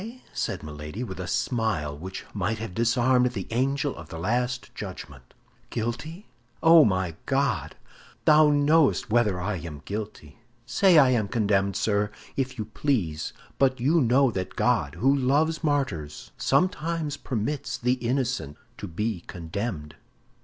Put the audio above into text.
said Milady, with a smile which might have disarmed the angel of the last judgment. "Guilty? Oh, my God, thou knowest whether I am guilty! Say I am condemned, sir, if you please; but you know that God, who loves martyrs, sometimes permits the innocent to be condemned."